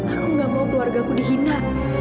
aku gak mau keluarga aku dihina